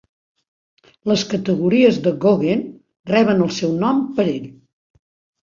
"Les categories de Goguen" reben el seu nom per ell.